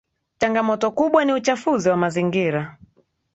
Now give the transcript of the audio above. changamoto kubwa ni uchafuzi wa mazingira